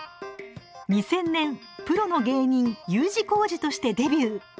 ２０００年プロの芸人「Ｕ字工事」としてデビュー。